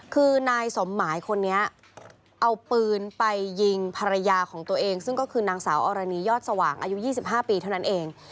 คือนายสมหมายคนนี้เอาปืนไปยิงภรรยาของตัวเองซึ่งก็คือนางสาวอรณียอดสว่างอายุ๒๕ปีเท่านั้นเอง